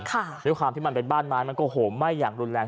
ค่ะแล้วความที่มันเป็นบ้านน้ำมันก็โหไม่อย่างรุนแรง